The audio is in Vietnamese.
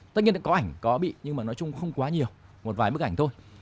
tất nhiên đã có ảnh có bị nhưng mà nói chung không quá nhiều một vài bức ảnh thôi